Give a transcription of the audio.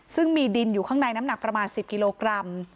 ซึ่งมีดินอยู่ข้างในน้ำหนักประมาณ๑๐กิโลกรัม